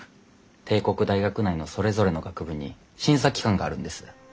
帝国大学内のそれぞれの学部に審査機関があるんです。